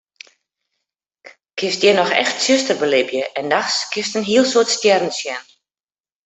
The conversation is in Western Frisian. Kinst hjir noch echt tsjuster belibje en nachts kinst in heel soad stjerren sjen.